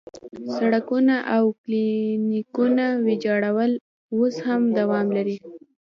سړکونه او کلینیکونه ویجاړول اوس هم دوام لري.